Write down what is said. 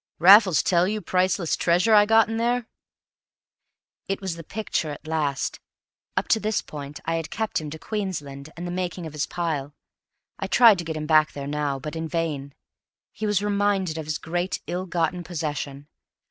Raffles tell you priceless treasure I got in there?" It was the picture at last; up to this point I had kept him to Queensland and the making of his pile. I tried to get him back there now, but in vain. He was reminded of his great ill gotten possession.